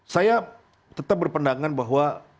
saya tetap berpendangan bahwa